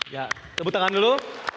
ya tepuk tangan dulu